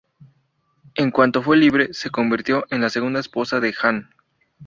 En cuanto fue libre, se convirtió en la segunda esposa de Han.